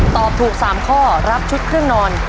ตอบถูก๓ข้อรับชุดเครื่องนอน